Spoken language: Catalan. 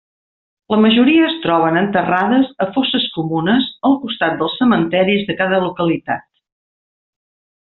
La majoria es troben enterrades a fosses comunes al costat dels cementeris de cada localitat.